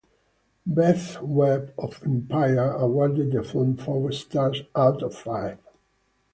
Beth Webb of "Empire" awarded the film four stars out of five.